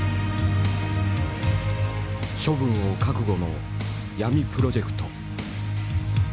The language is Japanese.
処分を覚悟の闇プロジェクト。